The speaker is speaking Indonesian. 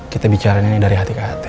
kita bicara ini dari hati ke hati